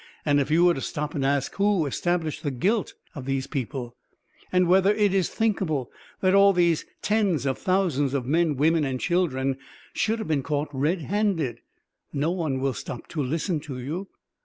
And if you were to stop and ask who established the guilt of these people, and whether it is thinkable that all these tens of thousands of men, women, and children should have been caught red handed, no one will stop to listen to you.